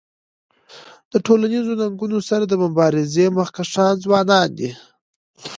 د ټولنیزو ننګونو سره د مبارزی مخکښان ځوانان دي.